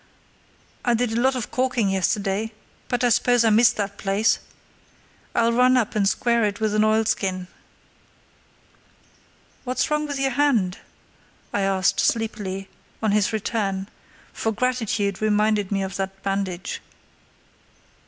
I did a lot of caulking yesterday, but I suppose I missed that place. I'll run up and square it with an oilskin." "What's wrong with your hand?" I asked, sleepily, on his return, for gratitude reminded me of that bandage.